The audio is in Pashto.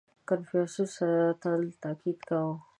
• کنفوسیوس تل تأکید کاوه.